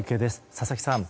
佐々木さん。